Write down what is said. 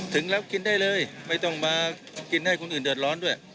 ถึงแล้วกินได้เลยไม่ต้องมากินให้คนอื่นเดือดร้อนด้วย